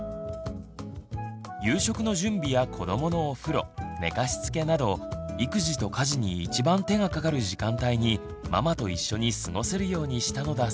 夕食の準備や子どものお風呂寝かしつけなど育児と家事に一番手がかかる時間帯にママと一緒に過ごせるようにしたのだそうです。